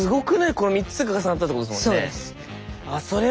この３つが重なったってことですもんね。